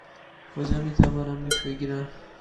کجا می توانم دوش بگیرم؟